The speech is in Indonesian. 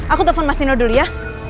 aku telfon mas nino dulu ya